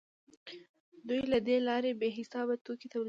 دوی له دې لارې بې حسابه توکي تولیدوي